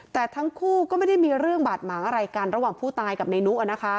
แต่ทั้งคู่ก็ไม่ได้มีเรื่องบาดหมางอะไรกันระหว่างผู้ตายกับในนุนะคะ